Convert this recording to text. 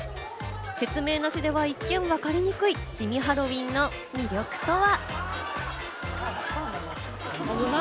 説明なしでは一見わかりにくい地味ハロウィンの魅力とは？